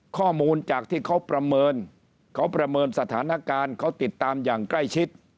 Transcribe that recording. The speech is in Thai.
ข้อมูลจากที่เขาประเมินเขาประเมินสถานการณ์เขาติดตามอย่างใกล้ชิด